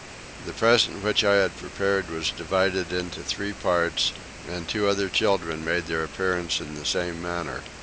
The present which I had prepared was divided into three parts, and two other children made their appearance in the same manner.